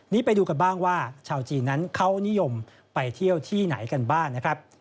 นี่ไปดูกันบ้างว่าชาวจีนนั้นเขานิยมไปเที่ยวที่ไหนกันบ้างนะครับ